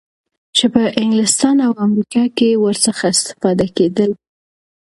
چی په انګلستان او امریکا کی ورڅخه اسفتاده کیدل